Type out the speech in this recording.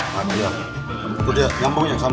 masuk lagi ke dalam ya